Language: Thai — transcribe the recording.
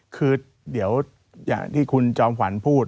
คือเดี๋ยวอย่างที่คุณจอมขวัญพูด